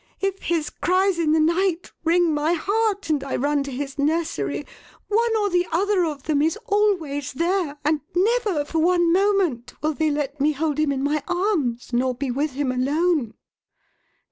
If his cries in the night wring my heart and I run to his nursery, one or the other of them is always there, and never for one moment will they let me hold him in my arms nor be with him alone."